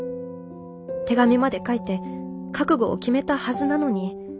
手紙まで書いて覚悟を決めたはずなのに。